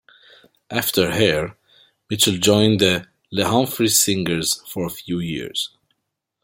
After "Hair", Mitchell joined the Les Humphries Singers for a few years.